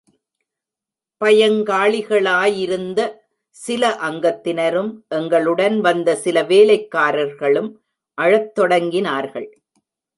பயங்காளிகளாகயிருந்த சில அங்கத்தினரும், எங்களுடன் வந்த சில வேலைக்காரர்களும் அழத் தொடங்கினார்கள்!